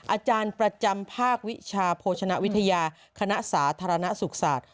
อาจารย์ประจำภาควิชาโภชนวิทยาคณะสาธารณสุขศาสตร์